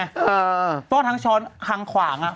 เศร้าตัดทั้งช้อนทั้งขวาง